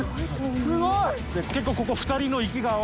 すごい。